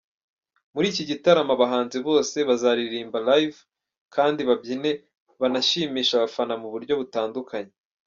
Muri iki gitaramo, abahanzi bose bazaririmba live kandi babyine banashimishe abafana mu buryo butandukanye.